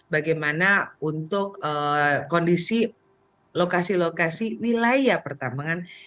bagaimana untuk kondisi lokasi lokasi wilayah pertambangan yang melakukan kegiatan illegal mining